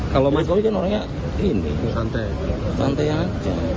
kalau megawati kan orangnya ini santai aja